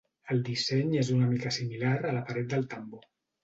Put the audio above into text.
El disseny és una mica similar a la paret del tambor.